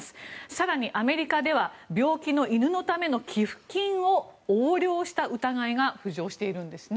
更に、アメリカでは病気の犬のための寄付金を横領した疑いが浮上しているんですね。